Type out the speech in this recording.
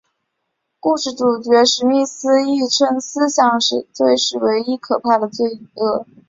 故事主角史密斯亦称思想罪是唯一可怕的罪恶。